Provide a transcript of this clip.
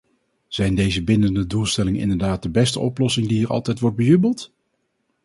Zijn deze bindende doelstellingen inderdaad de beste oplossing die hier altijd wordt bejubeld?